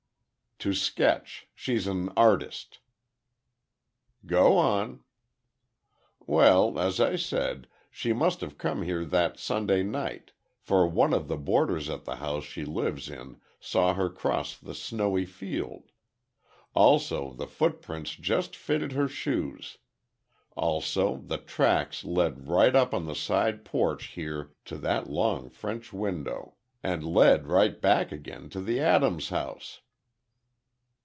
"To sketch—she's an artist." "Go on." "Well, as I said, she must have come here that Sunday night, for one of the boarders at the house she lives in saw her cross the snowy field. Also, the footprints just fitted her shoes. Also, the tracks led right up on the side porch here to that long French window. And led right back again to the Adams house."